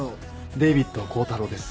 デイビッド幸太郎です。